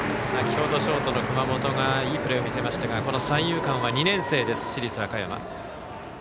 先ほどショートの熊本がいいプレーを見せましたがこの三遊間は、２年生です市立和歌山。